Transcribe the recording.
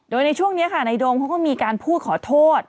โดยในช่วงนี้ค่ะในโดมเขาก็มีการพูดขอโทษ